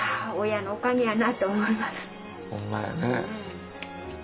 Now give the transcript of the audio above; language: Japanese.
ホンマやね。